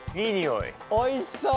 おいしそう。